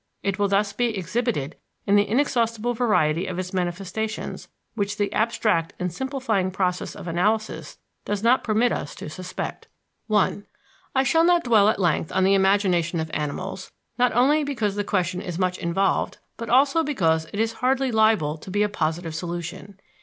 It will thus be exhibited in the inexhaustible variety of its manifestations which the abstract and simplifying process of analysis does not permit us to suspect. I I shall not dwell at length on the imagination of animals, not only because the question is much involved but also because it is hardly liable to a positive solution.